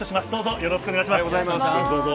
よろしくお願いします。